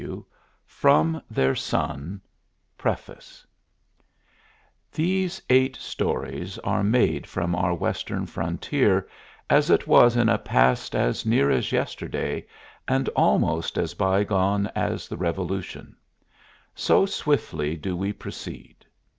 W. FROM THEIR SON PREFACE These eight stories are made from our Western Frontier as it was in a past as near as yesterday and almost as by gone as the Revolution; so swiftly do we proceed.